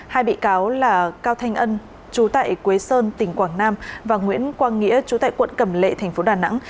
hai bị cáo là cao thanh ân chú tại quế sơn tỉnh quảng nam và nguyễn quang nghĩa chú tại quận cầm lệ tp đà nẵng